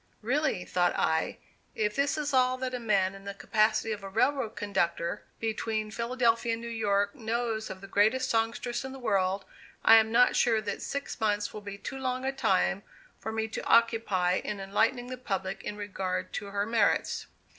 Really, thought I, if this is all that a man in the capacity of a railroad conductor between Philadelphia and New York knows of the greatest songstress in the world, I am not sure that six months will be too long a time for me to occupy in enlightening the public in regard to her merits.